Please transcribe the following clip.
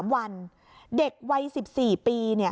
๓วันเด็กวัย๑๔ปี